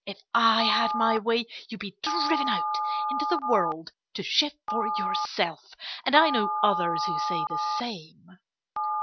If I had my way you'd be driven out into the world to shift for yourself.... And I know others who say the same."